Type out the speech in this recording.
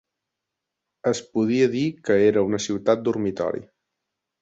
Es podia dir que era una ciutat dormitori.